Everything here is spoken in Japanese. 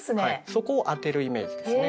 そこを当てるイメージですね。